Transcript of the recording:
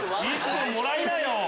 １分もらいなよ！